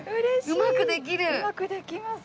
うまくできます！